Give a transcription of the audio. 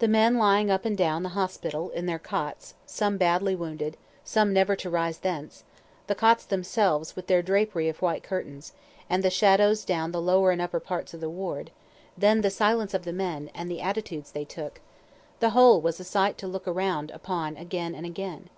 The men lying up and down the hospital, in their cots, (some badly wounded some never to rise thence,) the cots themselves, with their drapery of white curtains, and the shadows down the lower and upper parts of the ward; then the silence of the men, and the attitudes they took the whole was a sight to look around upon again and again.